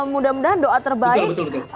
mudah mudahan doa terbaik